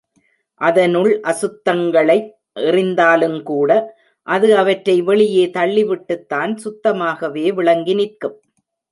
அதனுள் அசுத்தங்களை எறிந்தாலுங்கூட அது அவற்றை வெளியே தள்ளி விட்டுத் தான் சுத்தமாகவே விளங்கி நிற்கும்.